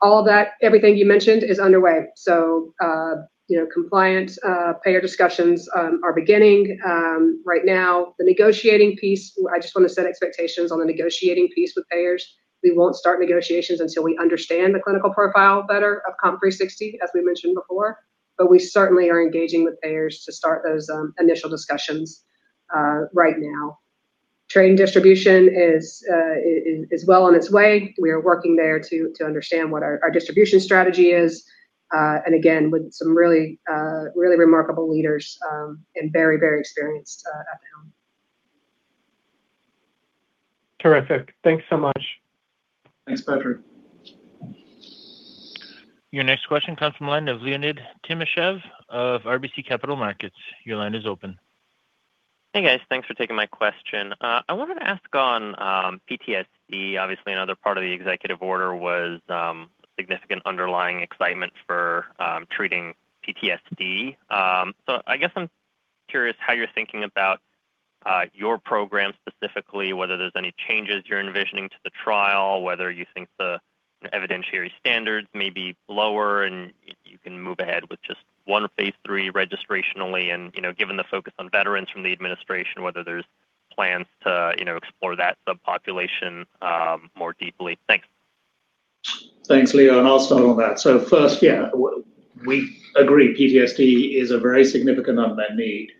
All that, everything you mentioned is underway. You know, compliance, payer discussions, are beginning, right now. The negotiating piece, I just wanna set expectations on the negotiating piece with payers. We won't start negotiations until we understand the clinical profile better of COMP360, as we mentioned before, but we certainly are engaging with payers to start those, initial discussions, right now. Training distribution is well on its way. We are working there to understand what our distribution strategy is, and again, with some really remarkable leaders, and very experienced, at helm. Terrific. Thanks so much. Thanks, Patrick. Your next question comes from the line of Leonid Timashev of RBC Capital Markets. Your line is open. Hey, guys. Thanks for taking my question. I wanted to ask on PTSD. Obviously, another part of the executive order was significant underlying excitement for treating PTSD. I guess I'm curious how you're thinking about your program specifically, whether there's any changes you're envisioning to the trial, whether you think the evidentiary standards may be lower, and you can move ahead with just one phase III registration only. You know, given the focus on veterans from the administration, whether there's plans to, you know, explore that subpopulation more deeply. Thanks. Thanks, Leo. I'll start on that. First, yeah, we agree PTSD is a very significant unmet need.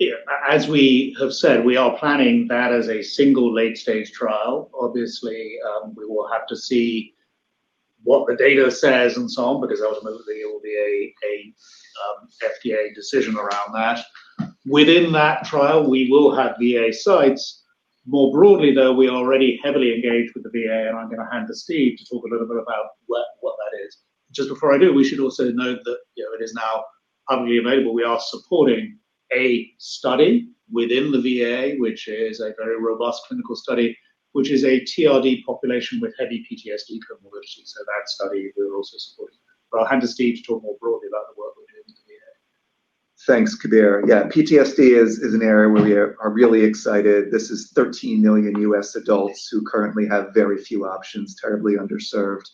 Yeah, as we have said, we are planning that as a single late-stage trial. Obviously, we will have to see what the data says and so on because ultimately it will be a FDA decision around that. Within that trial, we will have VA sites. More broadly, though, we are already heavily engaged with the VA. I'm gonna hand to Steve to talk a little bit about what that is. Just before I do, we should also note that, you know, it is now publicly available. We are supporting a study within the VA, which is a very robust clinical study, which is a TRD population with heavy PTSD comorbidities. That study we're also supporting. I'll hand to Steve to talk more broadly about the work. Thanks, Kabir. PTSD is an area where we are really excited. This is 13 million U.S. adults who currently have very few options, terribly underserved.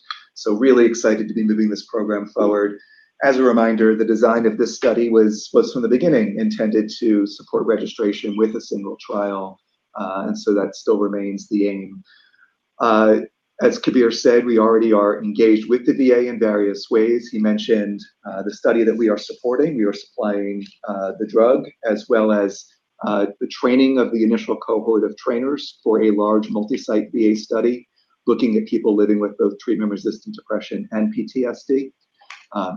Really excited to be moving this program forward. As a reminder, the design of this study was from the beginning intended to support registration with a one trial, that still remains the aim. As Kabir said, we already are engaged with the VA in various ways. He mentioned the study that we are supporting. We are supplying the drug, as well as the training of the initial cohort of trainers for a large multi-site VA study looking at people living with both treatment-resistant depression and PTSD,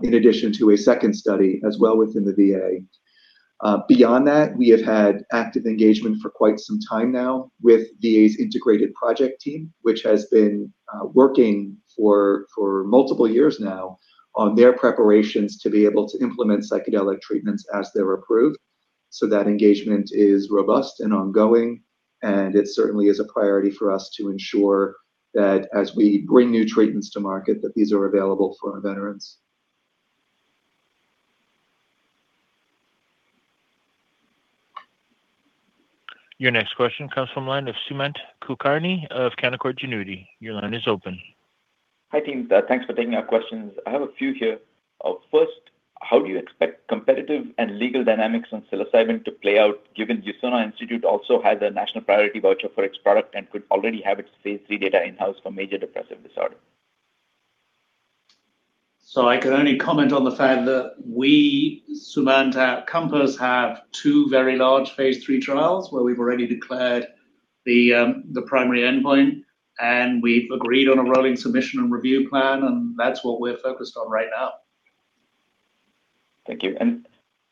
in addition to a second study as well within the VA. Beyond that, we have had active engagement for quite some time now with VA's integrated project team, which has been working for multiple years now on their preparations to be able to implement psychedelic treatments as they're approved. That engagement is robust and ongoing, and it certainly is a priority for us to ensure that as we bring new treatments to market, that these are available for our veterans. Your next question comes from line of Sumant Kulkarni of Canaccord Genuity. Your line is open. Hi, team. Thanks for taking our questions. I have a few here. First, how do you expect competitive and legal dynamics on psilocybin to play out, given Usona Institute also has a national priority voucher for its product and could already have its phase III data in-house for major depressive disorder? I can only comment on the fact that we, Sumant, COMPASS have two very large phase III trials where we've already declared the primary endpoint, and we've agreed on a rolling submission and review plan, and that's what we're focused on right now. Thank you.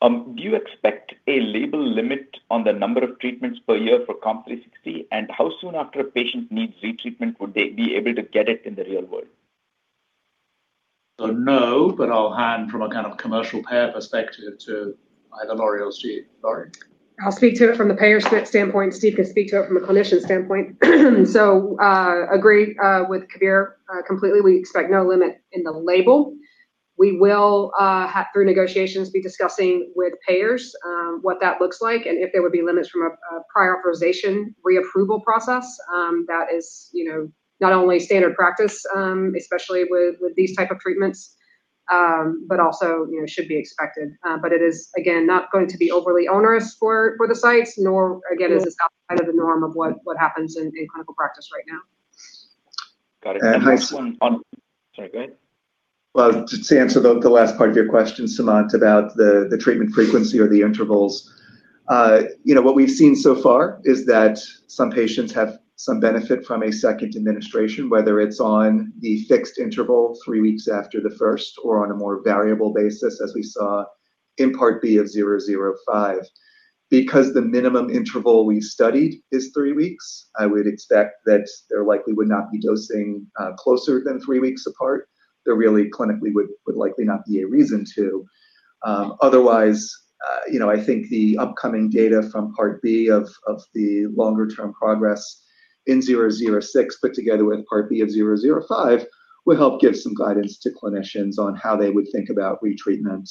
Do you expect a label limit on the number of treatments per year for COMP360? How soon after a patient needs retreatment would they be able to get it in the real world? No, but I'll hand from a kind of commercial payer perspective to either Lori or Steve. Lori? I'll speak to it from the payer standpoint. Steve can speak to it from a clinician standpoint. Agree with Kabir completely. We expect no limit in the label. We will have through negotiations be discussing with payers what that looks like, and if there would be limits from a prior authorization reapproval process, that is, you know, not only standard practice, especially with these type of treatments, but also, you know, should be expected. It is, again, not going to be overly onerous for the sites, nor again, is this outside of the norm of what happens in clinical practice right now. Got it. Last one on- And I- Sorry, go ahead. To answer the last part of your question, Sumant, about the treatment frequency or the intervals. You know, what we've seen so far is that some patients have some benefit from a second administration, whether it's on the fixed interval three weeks after the first or on a more variable basis, as we saw in Part B of COMP005. Because the minimum interval we studied is three weeks, I would expect that there likely would not be dosing closer than three weeks apart. There really clinically would likely not be a reason to. Otherwise, you know, I think the upcoming data from Part B of the longer term progress in COMP006 put together with Part B of COMP005 will help give some guidance to clinicians on how they would think about retreatment.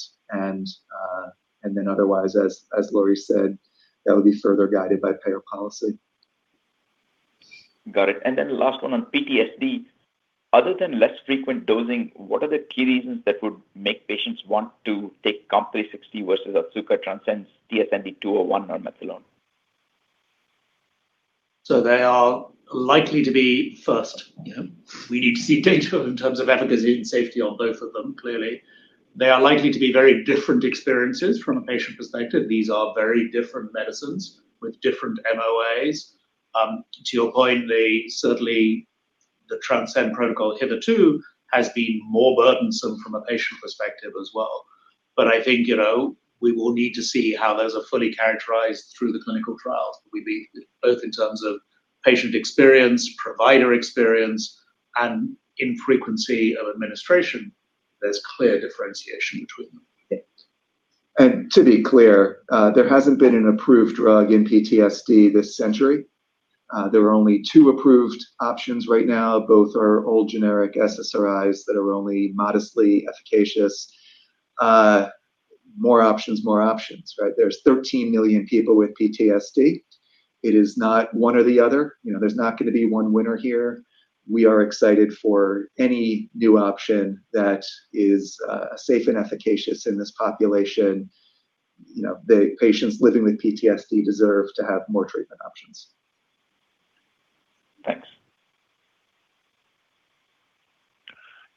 Otherwise, as Lori said, that would be further guided by payer policy. Got it. Last one on PTSD. Other than less frequent dosing, what are the key reasons that would make patients want to take COMP360 versus Otsuka, Transcend's TSND-201, or methylone? First, you know, we need to see data in terms of efficacy and safety on both of them, clearly. They are likely to be very different experiences from a patient perspective. These are very different medicines with different MOAs. To your point, the Transcend protocol hitherto has been more burdensome from a patient perspective as well. I think, you know, we will need to see how those are fully characterized through the clinical trials. We believe both in terms of patient experience, provider experience, and in frequency of administration, there's clear differentiation between them. To be clear, there hasn't been an approved drug in PTSD this century. There are only two approved options right now. Both are old generic SSRIs that are only modestly efficacious. More options, more options, right? There's 13 million people with PTSD. It is not one or the other. You know, there's not gonna be one winner here. We are excited for any new option that is safe and efficacious in this population. You know, the patients living with PTSD deserve to have more treatment options. Thanks.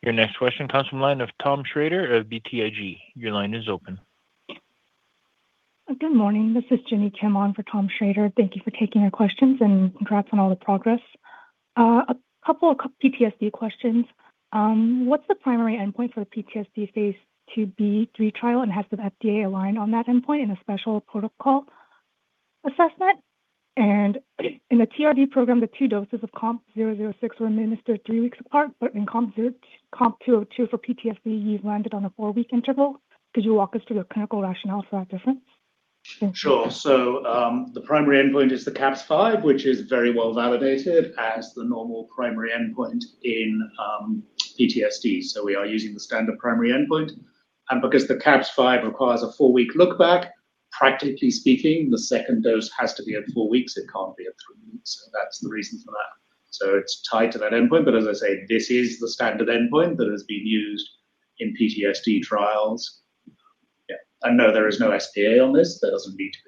Your next question comes from line of Thomas Schrader of BTIG. Your line is open. Good morning. This is Jinnie Kim on for Tom Schrader. Thank you for taking our questions, congrats on all the progress. A couple of PTSD questions. What's the primary endpoint for the PTSD phase II-B/III trial, and has the FDA aligned on that endpoint in a special protocol assessment? In the TRD program, the two doses of COMP006 were administered three weeks apart. In COMP202 for PTSD, you've landed on a four-week interval. Could you walk us through the clinical rationale for that difference? Sure. The primary endpoint is the CAPS-5, which is very well validated as the normal primary endpoint in PTSD. We are using the standard primary endpoint. Because the CAPS-5 requires a four-week look back, practically speaking, the second dose has to be at four weeks. It can't be at three weeks. That's the reason for that. It's tied to that endpoint, but as I say, this is the standard endpoint that has been used in PTSD trials. Yeah. No, there is no SPA on this. There doesn't need to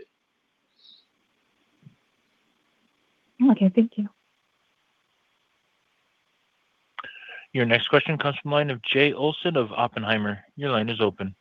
be. Okay. Thank you. Your next question comes from the line of Jay Olson of Oppenheimer. Your line is open.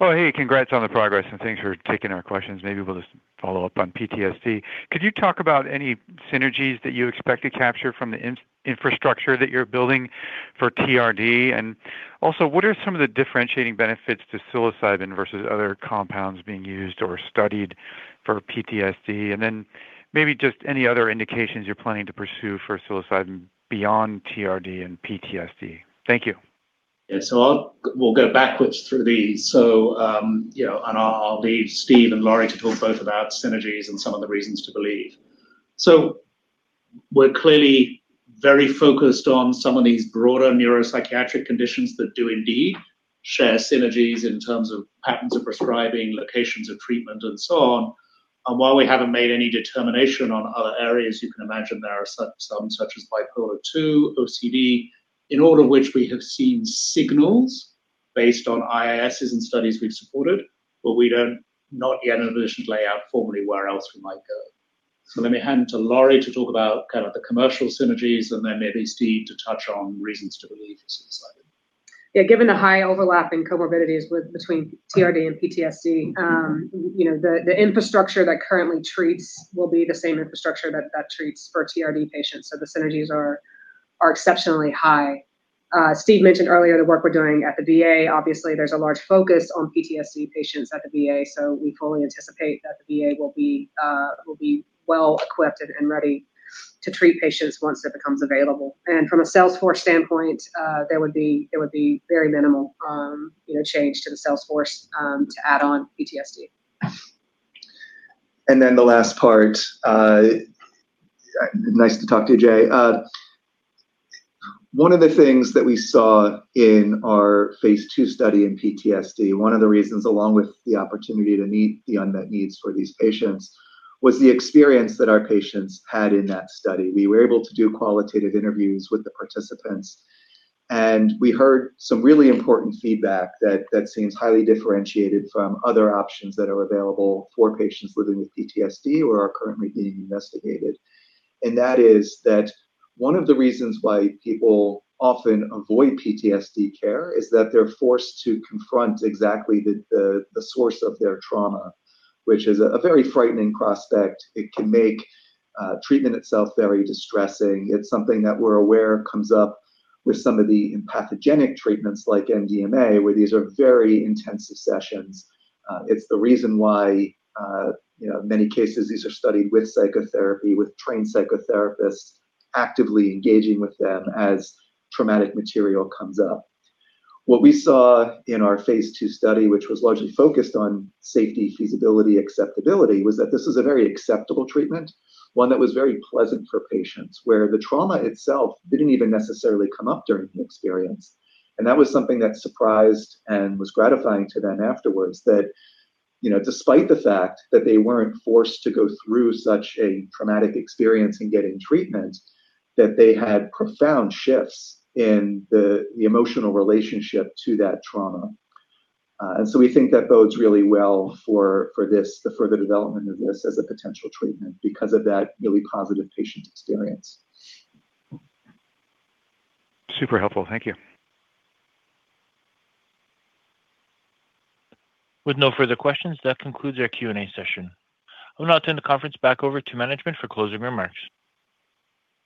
Oh, hey, congrats on the progress, and thanks for taking our questions. Maybe we'll just follow up on PTSD. Could you talk about any synergies that you expect to capture from the infrastructure that you're building for TRD? Also, what are some of the differentiating benefits to psilocybin versus other compounds being used or studied for PTSD? Maybe just any other indications you're planning to pursue for psilocybin beyond TRD and PTSD. Thank you. Yeah. We'll go backwards through these. You know, I'll leave Steve Levine and Lori to talk both about synergies and some of the reasons to believe. We're clearly very focused on some of these broader neuropsychiatric conditions that do indeed share synergies in terms of patterns of prescribing, locations of treatment, and so on. While we haven't made any determination on other areas, you can imagine there are some such as bipolar II, OCD, in all of which we have seen signals based on IISs and studies we've supported, but we don't not yet in a position to lay out formally where else we might go. Let me hand to Lori to talk kind of the commercial synergies, and then maybe Steve Levine to touch on reasons to believe in psilocybin. Yeah. Given the high overlap in comorbidities between TRD and PTSD, you know, the infrastructure that currently treats will be the same infrastructure that treats for TRD patients. The synergies are exceptionally high. Steve mentioned earlier the work we're doing at the VA. Obviously, there's a large focus on PTSD patients at the VA, so we fully anticipate that the VA will be well equipped and ready to treat patients once it becomes available. From a sales force standpoint, there would be very minimal, you know, change to the sales force to add on PTSD. The last part, nice to talk to you, Jay. One of the things that we saw in our phase II study in PTSD, one of the reasons along with the opportunity to meet the unmet needs for these patients, was the experience that our patients had in that study. We were able to do qualitative interviews with the participants, we heard some really important feedback that seems highly differentiated from other options that are available for patients living with PTSD or are currently being investigated. That is one of the reasons why people often avoid PTSD care is that they're forced to confront exactly the source of their trauma, which is a very frightening prospect. It can make treatment itself very distressing. It's something that we're aware comes up with some of the empathogenic treatments like MDMA, where these are very intensive sessions. It's the reason why, you know, many cases, these are studied with psychotherapy, with trained psychotherapists actively engaging with them as traumatic material comes up. What we saw in our phase II study, which was largely focused on safety, feasibility, acceptability, was that this is a very acceptable treatment, one that was very pleasant for patients, where the trauma itself didn't even necessarily come up during the experience. That was something that surprised and was gratifying to them afterwards that, you know, despite the fact that they weren't forced to go through such a traumatic experience in getting treatment, that they had profound shifts in the emotional relationship to that trauma. We think that bodes really well for this, the further development of this as a potential treatment because of that really positive patient experience. Super helpful. Thank you. With no further questions, that concludes our Q&A session. I will now turn the conference back over to management for closing remarks.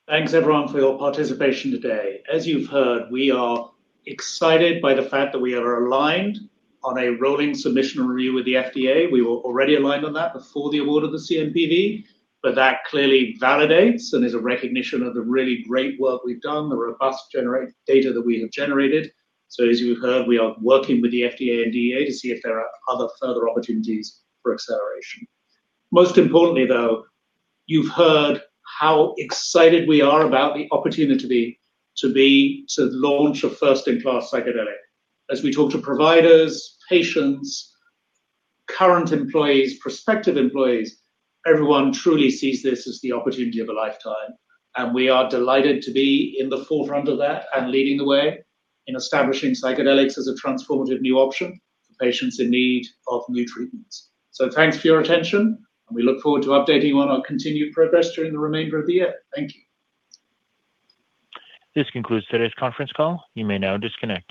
Thanks, everyone, for your participation today. As you've heard, we are excited by the fact that we are aligned on a rolling submission review with the FDA. We were already aligned on that before the award of the CNPV, that clearly validates and is a recognition of the really great work we've done, the robust data that we have generated. As you've heard, we are working with the FDA and DEA to see if there are other further opportunities for acceleration. Most importantly, though, you've heard how excited we are about the opportunity to be to launch a first-in-class psychedelic. As we talk to providers, patients, current employees, prospective employees, everyone truly sees this as the opportunity of a lifetime, and we are delighted to be in the forefront of that and leading the way in establishing psychedelics as a transformative new option for patients in need of new treatments. Thanks for your attention, and we look forward to updating you on our continued progress during the remainder of the year. Thank you. This concludes today's conference call. You may now disconnect.